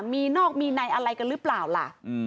มีนอกมีในอะไรกันหรือเปล่าล่ะ